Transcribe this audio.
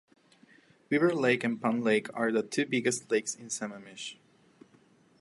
Beaver Lake and Pine Lake are the two biggest lakes in Sammamish.